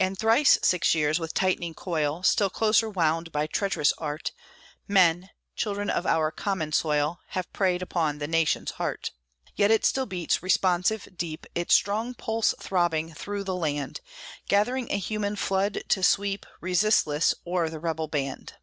And thrice six years, with tightening coil, Still closer wound by treacherous art, Men children of our common soil Have preyed upon the nation's heart! Yet still it beats, responsive, deep, Its strong pulse throbbing through the land, Gathering a human flood, to sweep Resistless, o'er the rebel band!